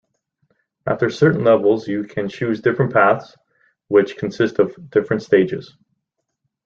After certain levels you can choose different paths which consist of different stages.